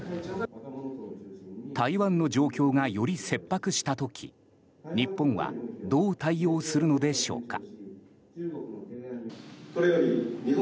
台湾の状況がより切迫した時日本はどう対応するのでしょうか。